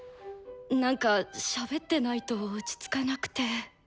なんかしゃべってないと落ち着かなくて。